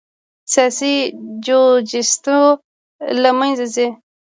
سیاسي جوجیتسو له منځه ځي.